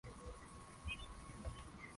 Waislamu tena lugha ya biashara ya watumwa